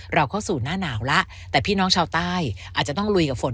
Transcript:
เราเข้าสู่หน้าหนาวแล้วแต่พี่น้องชาวใต้อาจจะต้องลุยกับฝน